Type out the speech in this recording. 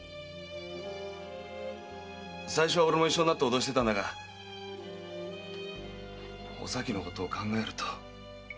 最初は俺も一緒になっておどしてたんだがおさきのことを考えると。